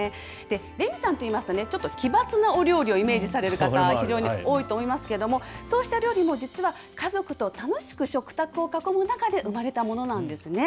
レミさんといいますと、ちょっと奇抜なお料理をイメージされる方、非常に多いと思いますけれども、そうした料理も実は、家族と楽しく食卓を囲む中で生まれたものなんですね。